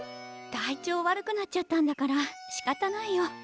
体調悪くなっちゃったんだからしかたないよ。